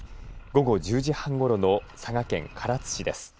午後１０時半ごろの佐賀県唐津市です。